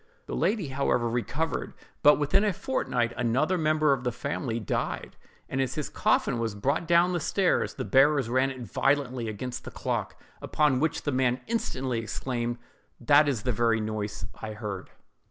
The lady, however, recovered; but, within a fortnight, another member of the family died: and as his coffin was brought down the stairs, the bearers ran it violently against the clock—upon which the man instantly exclaimed, "That is the very noise I heard!"